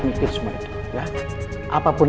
mikir semua itu ya apapun